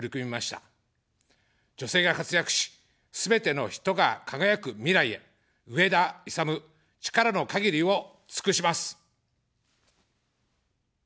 女性が活躍し、すべての人が輝く未来へ、上田いさむ、力の限りを尽くします。